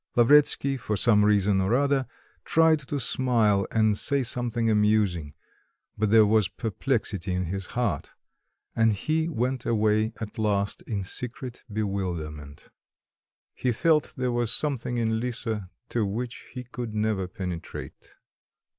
Lavretsky for some reason or other tried to smile and to say something amusing; but there was perplexity in his heart, and he went away at last in secret bewilderment .... He felt there was something in Lisa to which he could never penetrate.